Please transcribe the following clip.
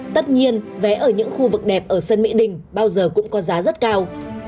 tất nhiên vé ở những khu vực đẹp ở sân mỹ đình bao giờ cũng có giá rất cao